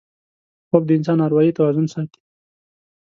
خوب د انسان اروايي توازن ساتي